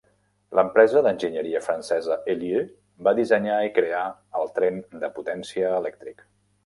L"empresa d"enginyeria francesa Heuliez va dissenyar i crear el tren de potència elèctric.